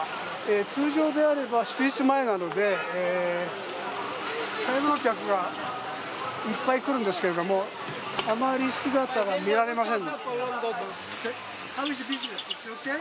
通常であれば祝日前なので買い物客がいっぱい来るんですけれども、あまり姿が見られません。